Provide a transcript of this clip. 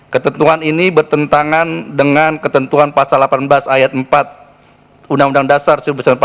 ketentuan ini bertentangan dengan ketentuan pasal delapan belas ayat empat undang undang dasar seribu sembilan ratus empat puluh